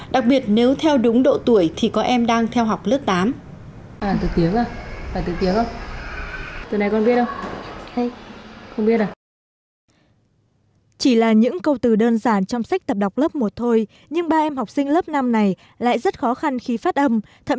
đặc biệt nếu theo đúng độ tuổi thì có em đang theo học lớp tám